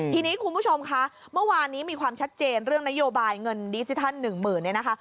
ทีนี้คุณผู้ชมคะเมื่อวานนี้มีความชัดเจนเรื่องนโยบายเงินดิจิทัล๑๐๐๐เนี่ยนะคะ